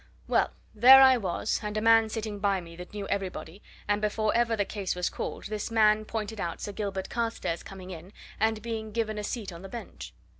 Well there I was, and a man sitting by me that knew everybody, and before ever the case was called this man pointed out Sir Gilbert Carstairs coming in and being given a seat on the bench.